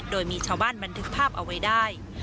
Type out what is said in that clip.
โดยมีชาวบ้านบันทึกภาพเอาไว้ได้